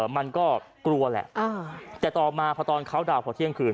มันก็กลัวแหละแต่ต่อมาพอตอนเขาดาวนพอเที่ยงคืน